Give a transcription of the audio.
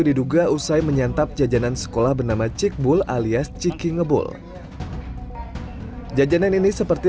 diduga usai menyantap jajanan sekolah bernama cikbul alias ciki ngebul jajanan ini seperti